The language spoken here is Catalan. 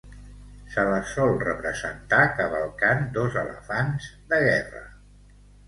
Se les sol representar cavalcant dos elefants de guerra.